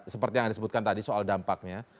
seperti yang disebutkan tadi soal dampaknya